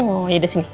oh ya udah sini